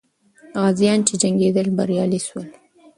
غازیان چې جنګېدل، بریالي سول.